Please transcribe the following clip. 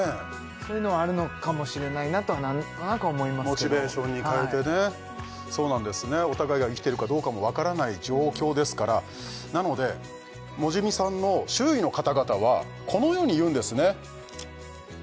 そういうのはあるのかもしれないなとはなんとなく思いますけどもモチベーションに変えてねそうなんですねお互いが生きてるかどうかも分からない状況ですからなのでモジミさんの周囲の方々はこのように言うんですね